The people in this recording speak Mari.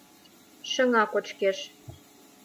Шыҥа кочкеш.